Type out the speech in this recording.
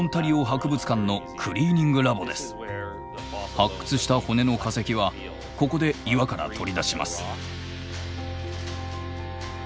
発掘した骨の化石はここで岩から取り出します。